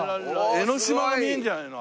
江の島が見えるんじゃないの？